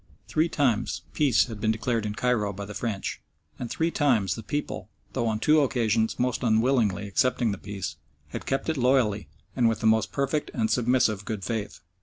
Three times "peace" had been declared in Cairo by the French, and three times the people though on two occasions most unwillingly accepting the peace had kept it loyally and with the most perfect and submissive good faith.